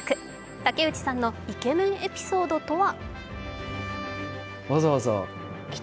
竹内さんのイケメンエピソードとは？